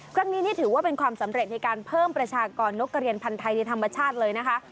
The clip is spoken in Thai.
ครั้งนี้นี่ถือว่าเป็นความสำเร็จในการเพิ่มประชากรนกกระเรียนพันธ์ไทยในธรรมชาติเลยนะคะ